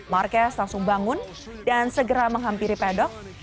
marquez langsung bangun dan segera menghampiri pedok